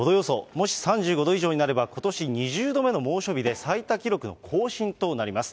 もし３５度以上になれば、ことし２０度目の猛暑日で、最多記録の更新となります。